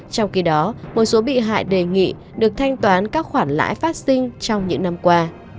trong khi đó một số bị hại đề nghị được thanh toán các khoản lãi phát sinh trong những năm qua